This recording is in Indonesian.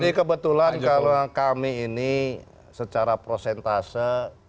jadi kebetulan kalau kami ini secara prosentase